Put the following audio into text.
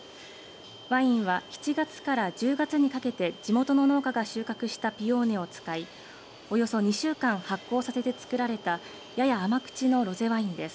ワインは７月から１０月にかけて地元の農家が収穫したピオーネを使いおよそ２週間発酵させて造られたやや甘口のロゼワインです。